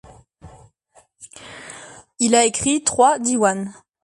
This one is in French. Il a écrit trois diwans.